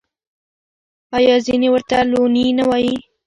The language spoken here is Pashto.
آیا ځینې ورته لوني نه وايي؟